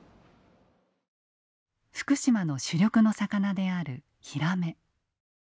福島の主力の魚であるヒラメ。